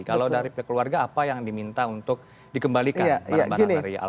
kalau dari keluarga apa yang diminta untuk dikembalikan